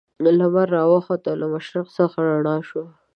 لمر را وخوت له مشرق څخه رڼا شوه.